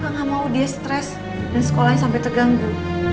gak mau dia stres dan sekolahnya sampai terganggu